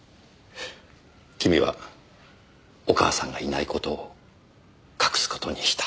君はお母さんがいない事を隠す事にした。